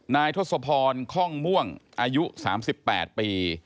ทศพรค่องม่วงอายุ๓๘ปี